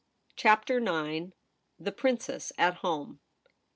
CHAPTER IX. THE PRINCESS AT HOME.